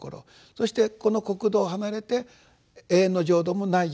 そして「この国土を離れて永遠の浄土もないよ。